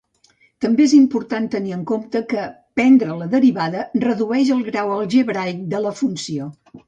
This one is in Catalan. També es important tenir en compte que, prendre la derivada, redueix el grau algebraic de la funció.